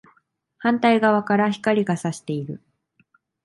反対側から光が射している